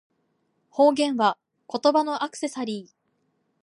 方言は、言葉のアクセサリー